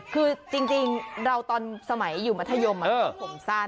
คือจริงเราตอนสมัยอยู่มัธยมผมสั้น